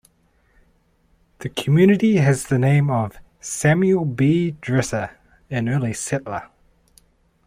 The community has the name of Samuel B. Dresser, an early settler.